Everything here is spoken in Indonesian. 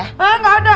eh gak ada